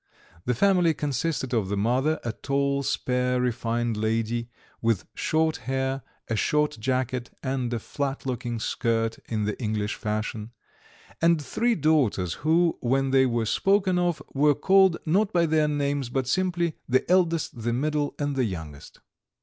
The family consisted of the mother, a tall, spare, refined lady, with short hair, a short jacket, and a flat looking skirt in the English fashion, and three daughters who, when they were spoken of, were called not by their names but simply: the eldest, the middle, and the youngest.